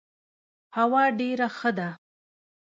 هوا ډيره ښه ده.